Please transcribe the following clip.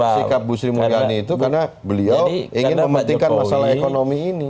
karena sikap gusri mulyani itu karena beliau ingin mempentingkan masalah ekonomi ini